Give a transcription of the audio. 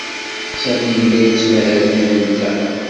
Sami yella yettmahal yid-nteɣ.